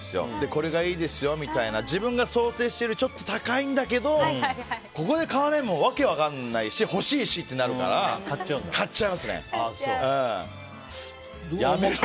これがいいですよみたいな自分が想定しているよりちょっと高いんだけどここで買わないのも訳分からないし欲しいしってなるから買っちゃいますね。